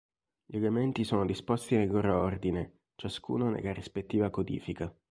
Gli elementi sono disposti nel loro ordine, ciascuno nella rispettiva codifica.